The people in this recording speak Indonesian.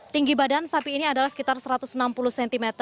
tinggi badan sapi ini adalah sekitar satu ratus enam puluh cm